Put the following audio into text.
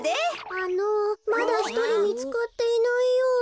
あのまだひとりみつかっていないような。